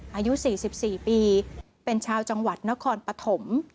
อายุ๔๔ปีเป็นชาวจังหวัดนครปฐม